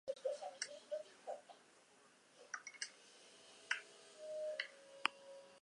Horretan oinarrituta, boto beltz hori zein gutarri emango zeniokeen jakin nahi dugu.